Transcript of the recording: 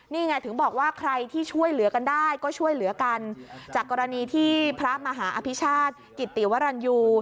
นี่ไงถึงบอกว่าใครที่ช่วยเหลือกันได้ก็ช่วยเหลือกันจากกรณีที่พระมหาอภิชาติกิติวรรณยู